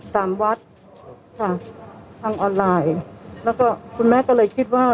ตามวัดค่ะทางออนไลน์แล้วก็คุณแม่ก็เลยคิดว่า